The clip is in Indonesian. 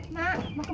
mak mau kemana